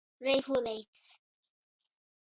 Reivuleits.